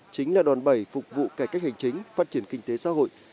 chính là đòn bẩy phục vụ cải cách hành chính phát triển kinh tế xã hội